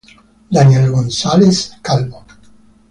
Daniel González Calvo